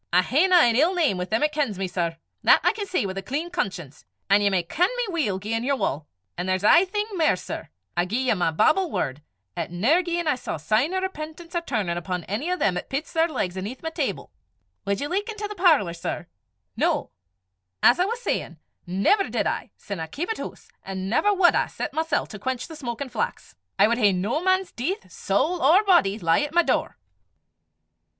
I haena an ill name wi' them 'at kens me, sir; that I can say wi' a clean conscience; an' ye may ken me weel gien ye wull. An' there's jist ae thing mair, sir: I gie ye my Bible word, 'at never, gien I saw sign o' repentance or turnin' upo' ane o' them 'at pits their legs aneth my table Wad ye luik intil the parlour, sir? No! as I was sayin', never did I, sin I keepit hoose, an' never wad I set mysel' to quench the smokin' flax; I wad hae no man's deith, sowl or body, lie at my door."